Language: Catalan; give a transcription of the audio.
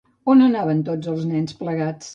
On anaven tots els nens plegats?